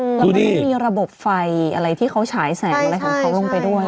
อืมดูดิและไม่มีระบบไฟอะไรที่เขาใช้แสงอะไรของเขาลงไปด้วย